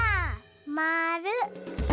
まる。